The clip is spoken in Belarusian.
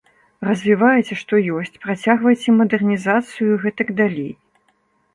Развівайце, што ёсць, працягвайце мадэрнізацыю, і гэтак далей.